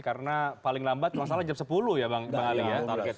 karena paling lambat kalau nggak salah jam sepuluh ya bang ali ya